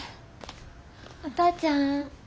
お父ちゃん？